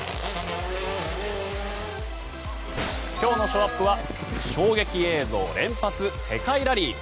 今日のショーアップは衝撃映像連発、世界ラリー。